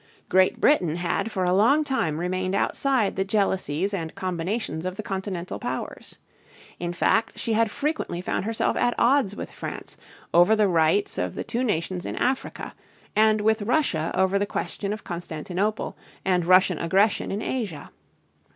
Great Britain had for a long time remained outside the jealousies and combinations of the continental powers. In fact she had frequently found herself at odds with France over the rights of the two nations in Africa, and with Russia over the question of Constantinople and Russian aggression in Asia.